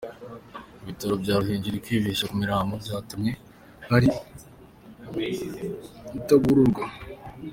Ibitaro bya Ruhengeri: Kwibeshya ku mirambo byatumye hari utabururwa.